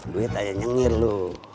duit aja nyengir lu